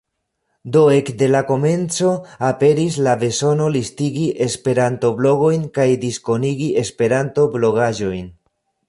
Do ekde la komenco aperis la bezono listigi esperanto-blogojn kaj diskonigi esperanto-blogaĵojn.